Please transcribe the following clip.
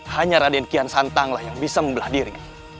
hanya raden kian santang lah yang bisa membelah diri